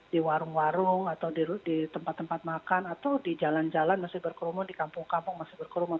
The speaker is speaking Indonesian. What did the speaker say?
di warung warung atau di tempat tempat makan atau di jalan jalan masih berkerumun di kampung kampung masih berkerumun